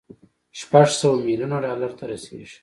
شپږ سوه ميليونه ډالر ته رسېږي.